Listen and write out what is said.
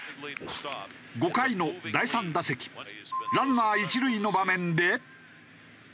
５回の第３打席ランナー一塁の場面で。